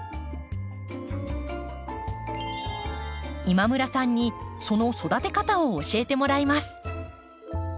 今村さんにその育て方を教えてもらいます。